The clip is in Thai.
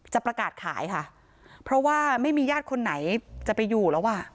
ประกาศขายค่ะเพราะว่าไม่มีญาติคนไหนจะไปอยู่แล้วอ่ะ